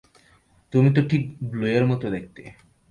তুমি তো ঠিক ব্লুয়ের মতো দেখতে।